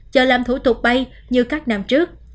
chờ làm thủ tục bay như các năm trước